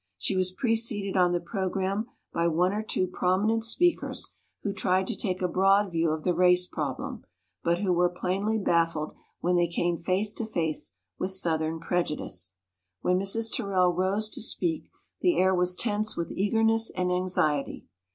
She was preceded on the program by one or two prominent MARY CHURCH TERRELL 91 speakers who tried to take a broad view of the race problem but who were plainly baf fled when they came face to face with South ern prejudice. When Mrs. Terrell rose to speak the air was tense with eagerness and anxiety.